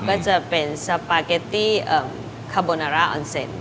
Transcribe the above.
ก็จะเป็นสปาเกตตี้คาโบนาร่าออนเซน